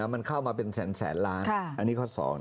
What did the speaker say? มันเข้ามาเป็นแสนล้านอันนี้ข้อ๒